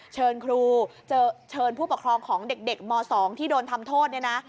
เชิญครูเชิญผู้ปกครองของเด็กม๒ที่โดนทำโทษเนี่ยนะ